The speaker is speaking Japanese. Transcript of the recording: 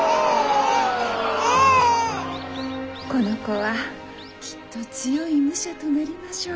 この子はきっと強い武者となりましょう。